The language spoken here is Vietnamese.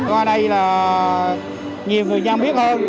ngoài đây là nhiều người dân biết hơn